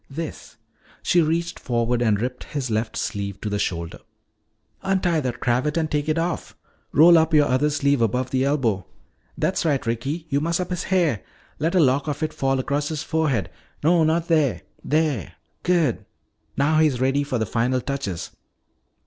"This," she reached forward and ripped his left sleeve to the shoulder. "Untie that cravat and take it off. Roll up your other sleeve above the elbow. That's right. Ricky, you muss up his hair. Let a lock of it fall across his forehead. No, not there there. Good. Now he's ready for the final touches."